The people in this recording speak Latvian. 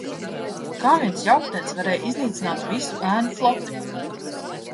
Kā viens jauktenis varēja iznīcināt visu Ēnu floti?